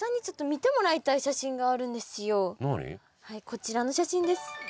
こちらの写真です。